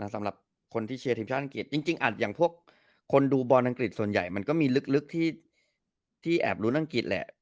สำหรับคนที่เชียร์ทีมชาติอังกฤษจริงอย่างพวกคนดูบอลอังกฤษส่วนใหญ่มันก็มีลึกที่แอบรู้อังกฤษแหละ